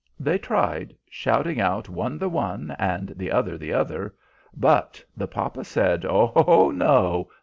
They tried, shouting out one the one and the other the other, but the papa said: "Oh no!